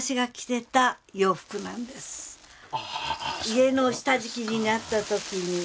家の下敷きになった時に。